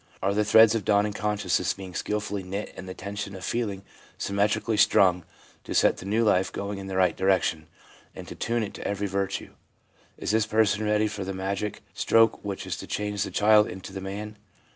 are the threads of dawning consciousness being skilfully knit and the tension of feeling symmetrically strung to set the new life going in the right direction, and tune it to every virtue ? is this person ready for the magic stroke which is to change the child into the man